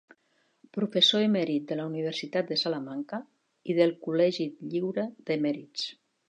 Professor emèrit de la Universitat de Salamanca i del Col·legi Lliure d'Emèrits.